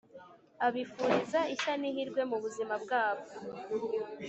abifuriza ishya n’ihirwe mu buzima bwabo.